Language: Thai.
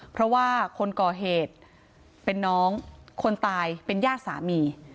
เพราะว่าคนก่อเหตุเป็นน้องคนตายเป็นญาติสามี